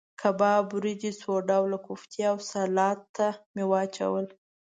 کباب، وریجې، څو ډوله کوفتې او سلاته مې واچول.